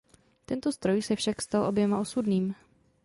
Tento stroj se však stal oběma osudným.